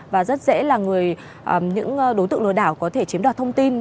và rất dễ là những đối tượng lừa đảo có thể chiếm đoạt thông tin